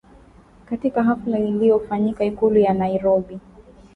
katika hafla iliyofanyika Ikulu ya Nairobi